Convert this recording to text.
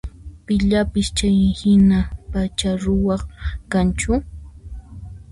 Pillapis chayhina p'acha ruwaq kanchu?